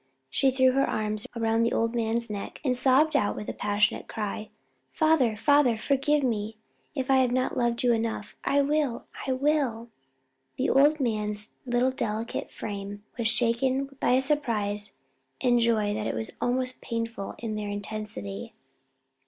She threw her arms round the old man's neck and sobbed out with a passionate cry, "Father, father! forgive me if I have not loved you enough. I will I will!" The old man's little delicate frame was shaken by a surprise and joy that was almost painful in their intensity.